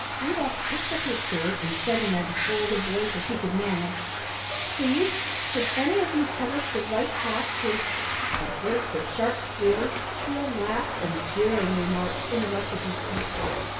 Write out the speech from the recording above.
Rudolf picked up his sword, and said in as bold a voice as he could manage "Please, could any of you tell us the right path to " A burst of sharp squeals, shrill laughs, and jeering remarks interrupted his question.